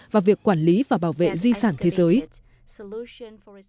vào việc quản lý và bảo vệ di sản thế giới